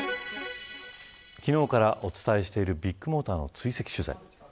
昨日からお伝えしているビッグモーターの追跡取材。